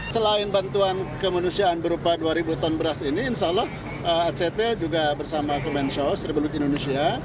selain bantuan kemanusiaan berupa dua ribu ton beras ini insya allah act juga bersama kemensos seribu belut indonesia